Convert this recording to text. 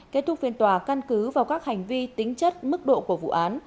kết thúc phiên tòa căn cứ vào các hành vi tính chất mức độ của vụ án